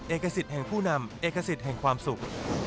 เอกสิทธิ์แห่งผู้นำเอกสิทธิ์แห่งความสุข